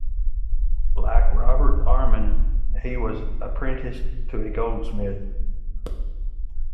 Like Robert Armin, he was apprenticed to a goldsmith.